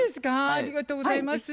ありがとうございます。